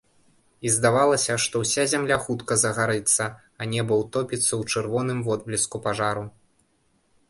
І здавалася, што ўся зямля хутка загарыцца, а неба ўтопіцца ў чырвоным водбліску пажару.